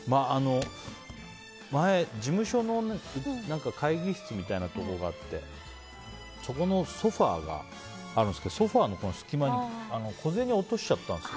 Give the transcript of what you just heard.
前、事務所の会議室みたいなところがあってそこのソファの隙間に小銭を落としちゃったんですよ